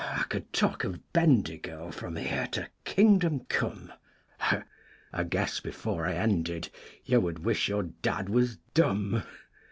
I could talk of Bendigo from here to king dom come, I guess before I ended you would wish your dad was dumb.